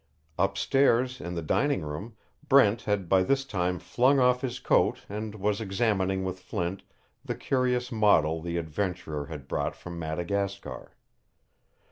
Up stairs, in the dining room, Brent had by this time flung off his coat and was examining with Flint the curious model the adventurer had brought from Madagascar.